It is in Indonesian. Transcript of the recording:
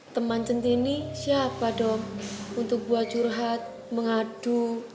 teman centini siapa dong untuk buat curhat mengadu